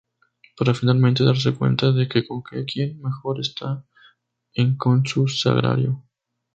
Para, finalmente, darse cuenta de que con quien mejor está es con su Sagrario.